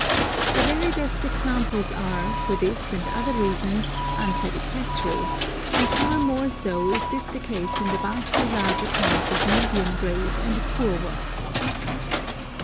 The very best examples are, for this and other reasons, unsatisfactory, and far more so is this the case in the vastly larger class of medium grade and poor work.